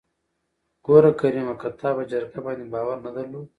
ګوره کريمه که تا په جرګه باندې باور نه درلوده.